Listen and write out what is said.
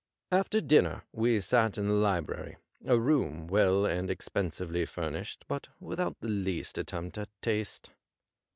After dinner we sat in the library, a room well and expensively furnished, but with out the least attempt at taste.